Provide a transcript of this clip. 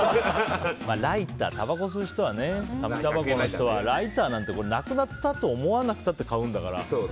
ライター、紙たばこの人はライターなんてなくなったと思わなくたって買うんだから。